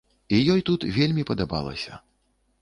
І ёй тут вельмі падабалася.